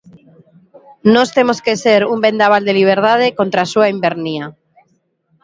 Nós temos que ser un vendaval de liberdade contra a súa invernía.